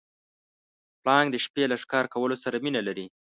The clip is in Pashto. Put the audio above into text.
پړانګ د شپې له ښکار کولو سره مینه لري.